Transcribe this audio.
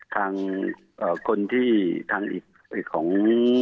ทางคนที่ทางอีกของ